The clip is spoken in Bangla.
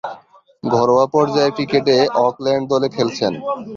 ঘরোয়া পর্যায়ের ক্রিকেটে অকল্যান্ড দলে খেলছেন।